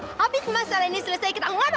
habis masalah ini selesai kita ngobrol lagi